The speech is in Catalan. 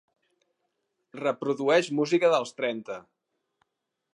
reprodueix música dels trenta